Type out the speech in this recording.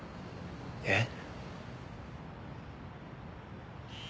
えっ？